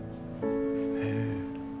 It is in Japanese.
へえ。